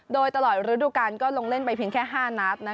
โดยตลอดฤดูการก็ลงเล่นไปเพียงแค่๕นัด